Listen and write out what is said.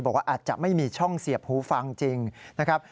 บอกว่าอาจจะไม่มีช่องเสียบหูฟังจริงนะครับ